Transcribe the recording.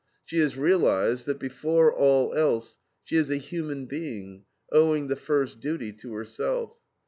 She has realized that, before all else, she is a human being, owing the first duty to herself.